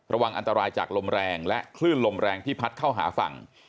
ระวังอันตรายจากลมแรงและคลื่นลมแรงที่พัดเข้าหาฝั่ง